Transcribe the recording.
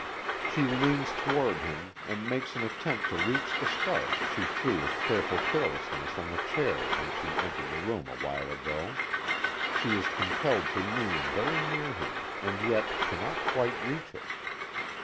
She leans toward him, and makes an attempt to reach the scarf she threw with careful carelessness on the chair when she entered the room a while ago. She is compelled to lean very near him and yet cannot quite reach it.